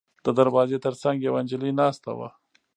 د دروازې تر څنګ یوه نجلۍ ناسته وه.